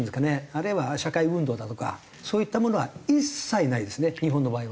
あるいは社会運動だとかそういったものは一切ないですね日本の場合は。